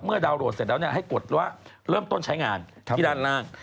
ดาวนโหลดเสร็จแล้วให้กดว่าเริ่มต้นใช้งานที่ด้านล่าง